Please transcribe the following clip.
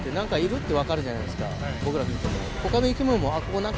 僕ら見ても。